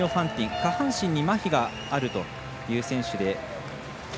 下半身にまひがあるという選手。